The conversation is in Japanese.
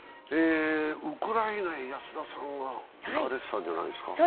ウクライナには安田さんが行かれてたんじゃないですか？